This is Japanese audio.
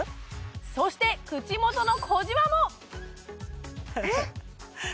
そして口元の小じわもえ！？